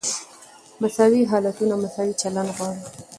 مساوي حالتونه مساوي چلند غواړي.